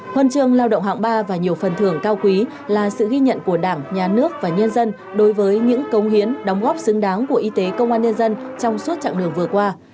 huân chương lao động hạng ba và nhiều phần thưởng cao quý là sự ghi nhận của đảng nhà nước và nhân dân đối với những công hiến đóng góp xứng đáng của y tế công an nhân dân trong suốt chặng đường vừa qua